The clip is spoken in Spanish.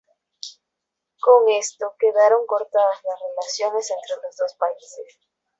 Con esto quedaron cortadas las relaciones entre los dos países.